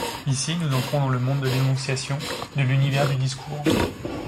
Ici nous entrons dans le monde de l'énonciation, de l'univers du discours.